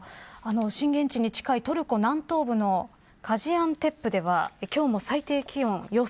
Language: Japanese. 震源地に近いトルコ南東部のガジアンテップでは今日も最低気温予想